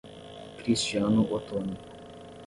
Cristiano Otoni